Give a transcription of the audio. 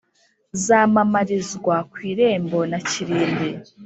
Zamamarizwa ku Kirembo na Kirimbi